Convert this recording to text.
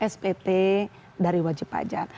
spt dari wajib pajak